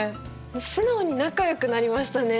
素直に仲よくなりましたね